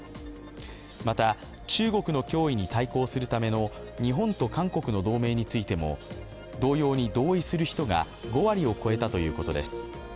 また、中国の脅威に対抗するための日本と韓国の同盟についても同様に同意する人が５割を超えたということです。